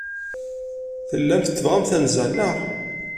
Tellamt tebɣamt anza, naɣ?